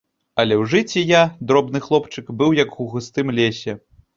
Але ў жыце я, дробны хлопчык, быў як у густым лесе.